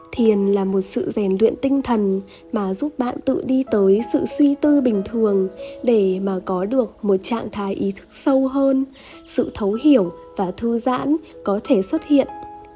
thiền là một sự rèn luyện tinh thần mà giúp bạn tự đi tới sự suy tư bình thường để mà có được một trạng thái ý thức sâu hơn sự thấu hiểu và thư giãn có thể xuất hiện